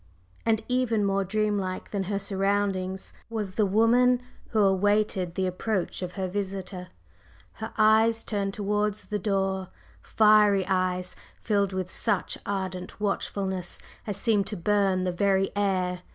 And even more dream like than her surroundings was the woman who awaited the approach of her visitor, her eyes turned towards the door fiery eyes filled with such ardent watchfulness as seemed to burn the very air.